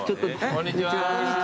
こんにちは。